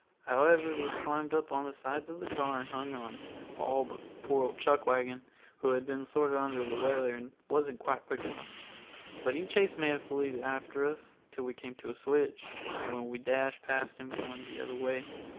However, we climbed on the sides of the cars and hung on, all but poor old Chuckwagon, who had been sorter under the weather and wasn't quite quick enough. But he chased manfully after us till we came to a switch, when we dashed past him going the other way.